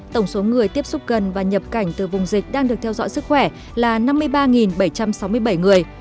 tổng số người tiếp xúc gần và nhập cảnh từ vùng dịch đang được theo dõi sức khỏe là năm mươi ba bảy trăm sáu mươi bảy người